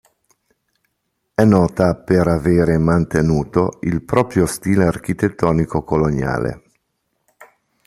È nota per avere mantenuto il proprio stile architettonico coloniale.